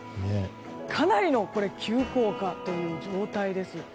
かなりの急降下という状態です。